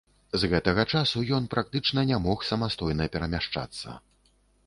З гэтага часу ён практычна не мог самастойна перамяшчацца.